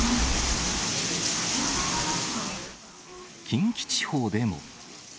近畿地方でも。